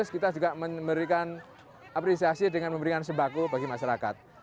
kita juga memberikan apresiasi dengan memberikan sembako bagi masyarakat